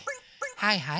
はいはい？